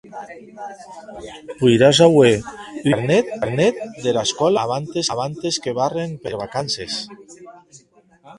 Poiràs auer un aute carnet dera escòla abantes que barren per vacances.